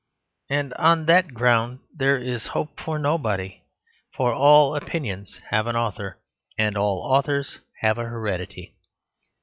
And on that ground there is hope for nobody; for all opinions have an author, and all authors have a heredity.